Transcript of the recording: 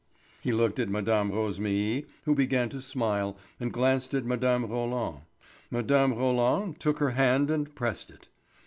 He looked at Mme. Rosémilly, who began to smile and glanced at Mme. Roland. Mme. Roland took her hand and pressed it.